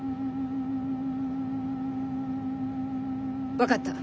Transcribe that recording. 分かった。